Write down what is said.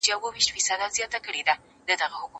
که کور پاک کړو نو ناروغي نه راځي.